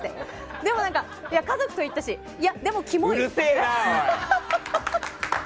でも、家族と行ったしでも、キモい。